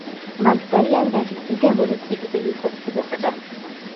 მან ძალიან ბევრი დიდებული სიკვდილითაც კი დასაჯა.